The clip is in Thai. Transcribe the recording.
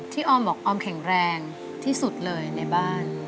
ออมบอกออมแข็งแรงที่สุดเลยในบ้าน